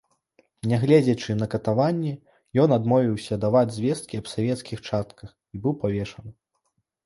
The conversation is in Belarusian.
Нягледзячы на катаванні, ён адмовіўся даваць звесткі аб савецкіх частках, і быў павешаны.